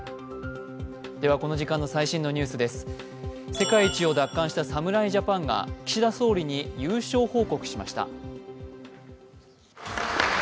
世界一を奪還した侍ジャパンが岸田総理に優勝報告しました。